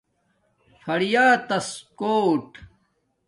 فریاتَس کوٹ